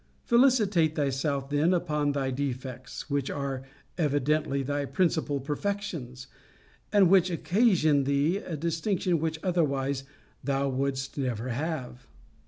Felicitate thyself then upon thy defects; which are evidently thy principal perfections; and which occasion thee a distinction which otherwise thou wouldst never have.